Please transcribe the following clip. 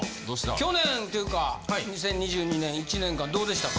去年っていうか２０２２年１年間どうでしたか？